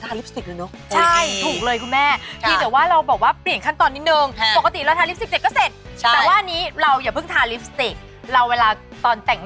เธอบบอกว่าอย่างงี้ต่อโจทย์มากเหมือนว่าทาริปสติคได้เนาะ